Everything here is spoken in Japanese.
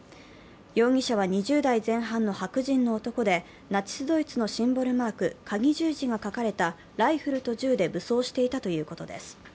容疑者は２０代前半の白人の男でナチス・ドイツのシンボルマークかぎ十字が描かれたライフルと銃で武装していたということです。